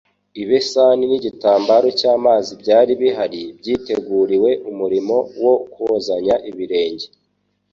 ibesani n'igitambaro cy'amazi byari bihari byiteguriwe umurimo wo kozanya ibirenge;